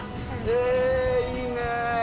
へえいいね。